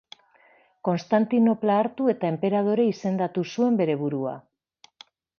Konstantinopla hartu eta enperadore izendatu zuen bere burua.